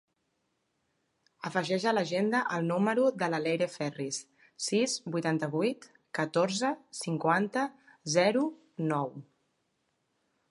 Afegeix a l'agenda el número de la Leire Ferris: sis, vuitanta-vuit, catorze, cinquanta, zero, nou.